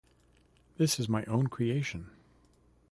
This is my own creation.